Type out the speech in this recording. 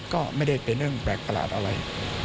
ก็ไม่ได้เป็นเรื่องแปลกประหลาดอะไร